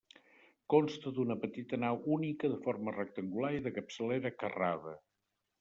Consta d'una petita nau única de forma rectangular i de capçalera carrada.